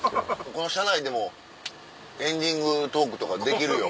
この車内でもうエンディングトークとかできるよ。